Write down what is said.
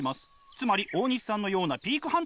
つまり大西さんのようなピークハンター。